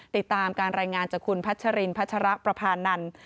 ติดตามการรายงานจากคุณพัชรินพัชรประพานันทร์